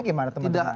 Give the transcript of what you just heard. itu gimana teman teman